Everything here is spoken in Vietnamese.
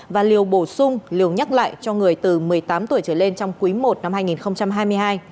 và liều bổ sung liều nhắc lại cho người từ một mươi tám tuổi trở lên trong quý i năm hai nghìn hai mươi hai